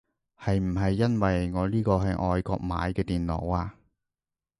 係唔係因為我呢個係外國買嘅電腦啊